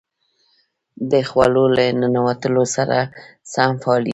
د خوړو له ننوتلو سره سم فعالېږي.